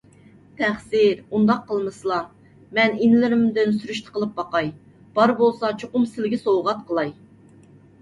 تەقسىر، ئۇنداق قىلمىسىلا! مەن ئىنىلىرىمدىن سۈرۈشتە قىلىپ باقاي، بار بولسا چوقۇم سىلىگە سوۋغات قىلاي